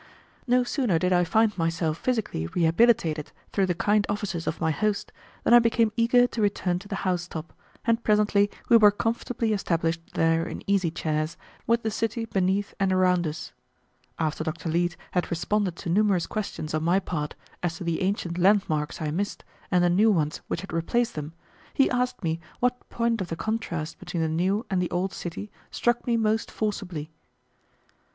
No sooner did I find myself physically rehabilitated through the kind offices of my host, than I became eager to return to the house top; and presently we were comfortably established there in easy chairs, with the city beneath and around us. After Dr. Leete had responded to numerous questions on my part, as to the ancient landmarks I missed and the new ones which had replaced them, he asked me what point of the contrast between the new and the old city struck me most forcibly.